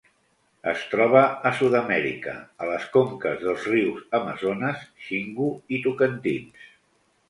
Es troba a Sud-amèrica, a les conques dels rius Amazones, Xingu i Tocantins.